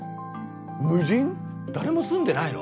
誰も住んでないの？